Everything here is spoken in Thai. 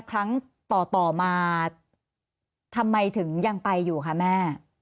ครั้งต่อมาทำไมถึงยังไปอยู่คะแม่